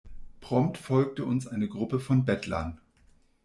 Prompt folgte uns eine Gruppe von Bettlern.